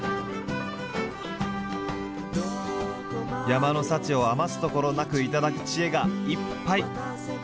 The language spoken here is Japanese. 山の幸を余すところなく頂く知恵がいっぱい！